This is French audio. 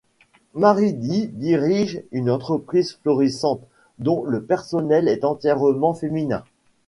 Mary Dee dirige une entreprise florissante dont le personnel est entièrement féminin.